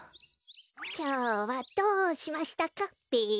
きょうはどうしましたかべ。